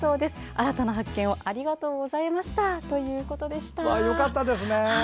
新たな発見をありがとうございましたよかったですね。